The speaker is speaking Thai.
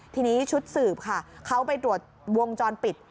ทีนี้ชุดสืบค่ะเขาไปตรวจวงจรปิด